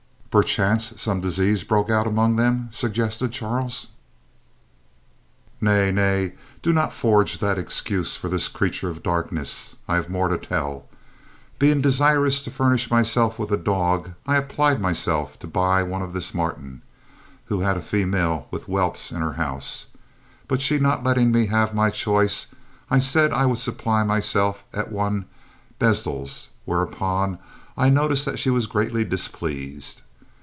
"Perchance, some disease broke out among them," suggested Charles. "Nay, nay; do not forge that excuse for this creature of darkness. I have more to tell. Being desirous to furnish myself with a dog, I applied myself to buy one of this Martin, who had a female with whelps in her house; but she not letting me have my choice, I said I would supply myself at one Blezdel's, whereupon I noticed that she was greatly displeased.